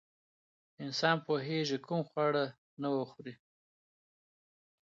انسان پوهېږي کوم خواړه نه وخوري.